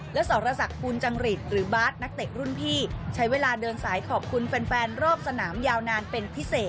และสรษักภูลจังหริตหรือบาทนักเตะรุ่นพี่ใช้เวลาเดินสายขอบคุณแฟนรอบสนามยาวนานเป็นพิเศษ